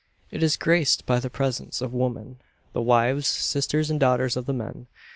It is graced by the presence of women the wives, sisters, and daughters of the men.